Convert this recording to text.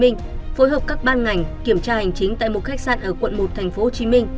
ninh phối hợp các ban ngành kiểm tra hành chính tại một khách sạn ở quận một tp hcm